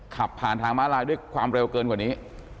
ขับผ่านทางม้าลายด้วยความเร็วเกินกว่านี้